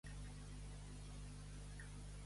Què cercava Ífit quan Odisseu va topar-se amb ell?